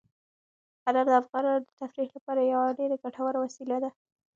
انار د افغانانو د تفریح لپاره یوه ډېره ګټوره وسیله ده.